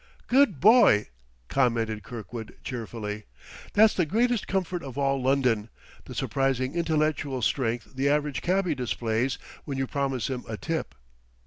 "Good boy!" commented Kirkwood cheerfully. "That's the greatest comfort of all London, the surprising intellectual strength the average cabby displays when you promise him a tip....